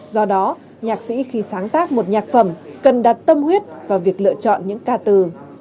do đó nhạc sĩ khi sáng tác một nhạc phẩm cần đặt tâm huyết vào việc lựa chọn những ca từ